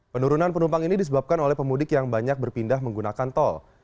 penurunan penumpang ini disebabkan oleh pemudik yang banyak berpindah menggunakan tol